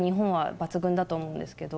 だと思うんですけど。